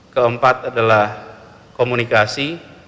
keempat adalah komunikasi